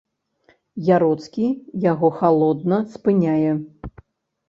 Яроцкі яго халодна спыняе.